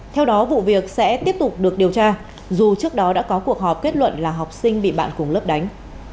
theo đó vụ việc sẽ tiếp tục được điều tra dù trước đó đã có cuộc họp kết luận là học sinh bị bạn cùng lớp đánh